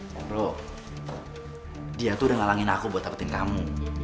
ngobrol dia tuh udah ngalangin aku buat dapetin kamu